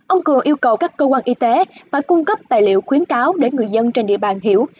ông cường yêu cầu các cơ quan y tế phải cung cấp tài liệu khuyến cáo để người dân trên địa bàn hiểu